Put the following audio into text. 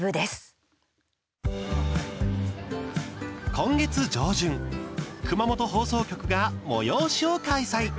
今月上旬熊本放送局が催しを開催。